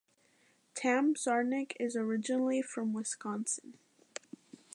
Tam Czarnik is originally from Wisconsin.